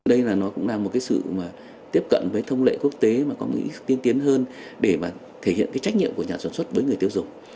đây là nó cũng là một cái sự tiếp cận với thông lệ quốc tế mà có nghĩ tiên tiến hơn để mà thể hiện cái trách nhiệm của nhà sản xuất với người tiêu dùng